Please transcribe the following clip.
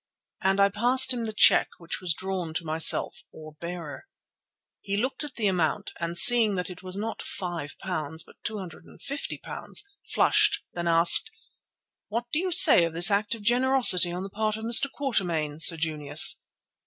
And I passed him the cheque, which was drawn to myself or bearer. He looked at the amount, and seeing that it was not £5, but £250, flushed, then asked: "What do you say to this act of generosity on the part of Mr. Quatermain, Sir Junius?"